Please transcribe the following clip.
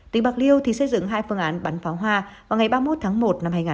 tỉnh bạc liêu thì xây dựng hai phương án bắn pháo hoa vào ngày ba mươi một tháng một năm hai nghìn hai mươi